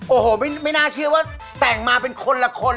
โอ้โหไม่น่าเชื่อว่าแต่งมาเป็นคนละคน